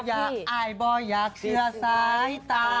อ่ายบ่อยาเชื่อซ้ายตา